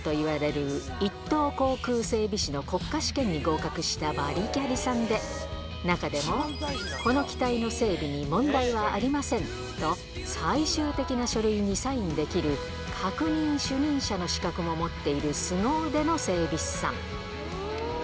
超難関といわれる１等航空整備士の国家試験に合格したバリキャリさんで、中でも、この機体の整備に問題はありませんと、最終的な書類にサインできる、確認主任者の資格も持っているすご腕の整備士さん。